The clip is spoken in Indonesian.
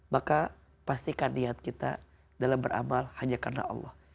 maka pastikan niat kita dalam beramal hanya karena allah